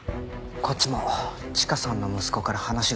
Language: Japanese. こっちもチカさんの息子から話が聞けました。